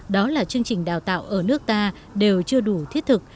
đó là chương trình đào tạo ở nước ta đều chưa đủ thiết thực